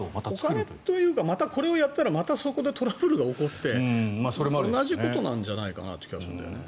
お金というかこれをやったら、またそこでトラブルが起こって同じことなんじゃないかなって気がするんだよね。